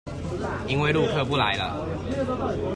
因為陸客不來了